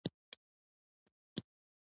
مړه ته د بخشش لپاره زیات دعا وکړه